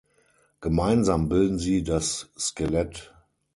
Gemeinsam bilden sie das Skelett.